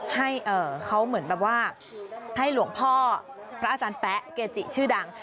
ให้เขาเหมือนแบบว่าให้หลวงพ่อพระอาจารย์แป๊ะเกจิชื่อดัง